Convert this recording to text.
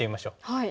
はい。